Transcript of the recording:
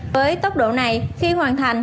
với tốc độ này khi hoàn thành